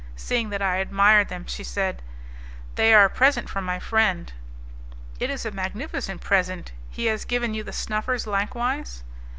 Seeing that I admired them, she said: "They are a present from my friend." "It is a magnificent present, has he given you the snuffers likewise?"